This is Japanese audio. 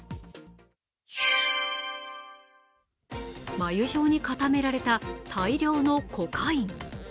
繭状に固められた大量のコカイン。